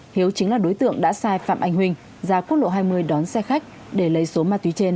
hiếu chính là đối tượng đã sai phạm anh huỳnh ra quốc lộ hai mươi đón xe khách để lấy số ma túy trên